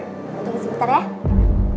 tunggu sebentar ya